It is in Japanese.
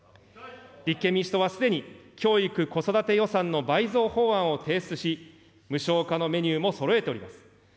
立憲民主党はすでに、教育子育て予算の倍増法案を提出し、無償化のメニューもそろえております。